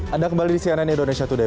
anda kembali di cnn indonesia today